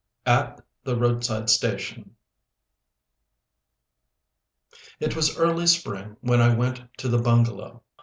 AT THE ROADSIDE STATION It was early spring when I went to the bungalow.